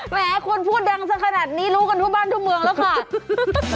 แหมคุณพูดดังสักขนาดนี้รู้กันทั่วบ้านทั่วเมืองแล้วค่ะ